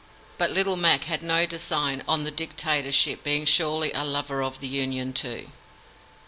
But "Little Mac" had no design on the dictatorship, being surely a lover of the Union, too.